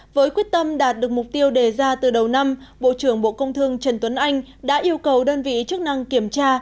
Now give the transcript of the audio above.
với quyết tâm đạt được mục tiêu đề ra từ đầu năm bộ trưởng bộ công thương trần tuấn anh đã yêu cầu đơn vị chức năng kiểm tra